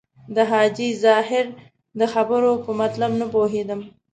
د حاجي ظاهر د خبرو په مطلب نه پوهېدم.